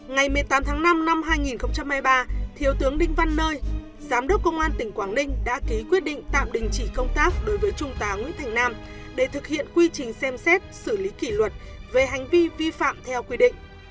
ngày một mươi tám tháng năm năm hai nghìn hai mươi ba thiếu tướng đinh văn nơi giám đốc công an tỉnh quảng ninh đã ký quyết định tạm đình chỉ công tác đối với trung tá nguyễn thành nam để thực hiện quy trình xem xét xử lý kỷ luật về hành vi vi phạm theo quy định